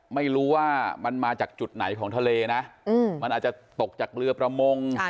ไม่รู้ว่ามันมาจากจุดไหนของทะเลนะมันอาจจะตกจากเรือประมง